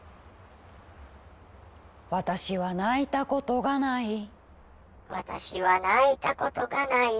「私は泣いたことがない」「私は泣いたことがない」